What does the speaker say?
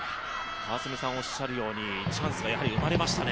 川澄さんおっしゃるようにチャンスがやはり生まれましたね。